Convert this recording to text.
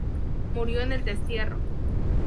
Murió en el destierro.